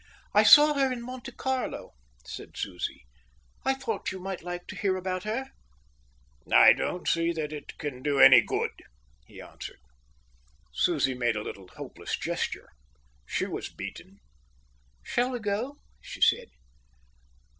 "I saw her in Monte Carlo," said Susie. "I thought you might like to hear about her." "I don't see that it can do any good," he answered. Susie made a little hopeless gesture. She was beaten. "Shall we go?" she said.